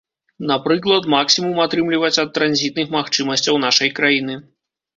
Напрыклад, максімум атрымліваць ад транзітных магчымасцяў нашай краіны.